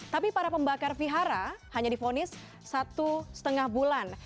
tapi para pembakar vihara hanya difonis satu setengah bulan